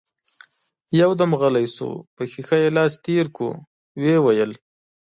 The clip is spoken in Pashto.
يودم غلی شو، پر شيشه يې لاس تېر کړ، ويې ويل: